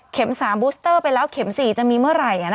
๓บูสเตอร์ไปแล้วเข็ม๔จะมีเมื่อไหร่